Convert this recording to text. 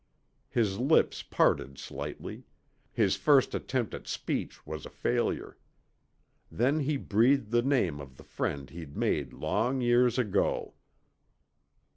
His lips parted slightly; his first attempt at speech was a failure. Then he breathed the name of the friend he'd made long years ago.